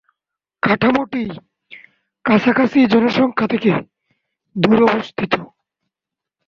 কাঠামোটি কাছাকাছি জনসংখ্যা থেকে দূরে অবস্থিত।